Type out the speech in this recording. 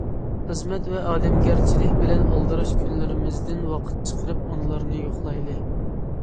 خىزمەت ۋە ئادەمگەرچىلىك بىلەن ئالدىراش كۈنلىرىمىزدىن ۋاقىت چىقىرىپ، ئانىلارنى يوقلايلى.